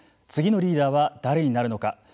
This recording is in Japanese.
次のリーダーは誰になるのか。